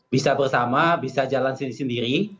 bisa bersama bisa jalan sendiri sendiri